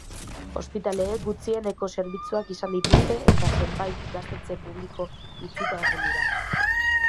Ospitaleek gutxieneko zerbitzuak izan dituzte eta zenbait ikastetxe publiko itxita egon dira.